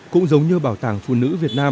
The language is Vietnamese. cũng giống như bảo tàng phụ nữ việt nam